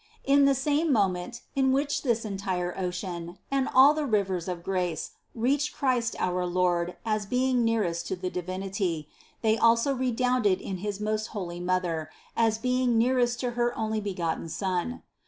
In the same moment in which this entire ocean and all the rivers of grace reached Christ our Lord as being nearest to the Deity, they also redounded in his most holy Mother as being nearest to her Onlybegotten Son.